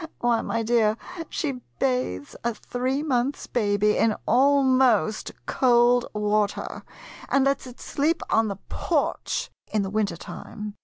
Why, my dear, she bathes a three months' baby in al most cold water, and lets it sleep on the porch in the winter time!